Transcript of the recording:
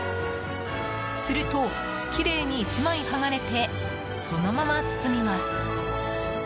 すると、きれいに１枚剥がれてそのまま包みます。